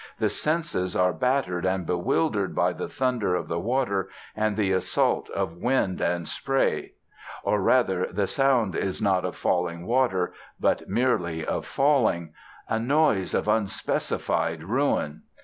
The senses are battered and bewildered by the thunder of the water and the assault of wind and spray; or rather, the sound is not of falling water, but merely of falling; a noise of unspecified ruin.